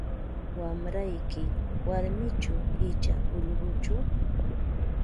Wamrayki warmichu icha ullquchu?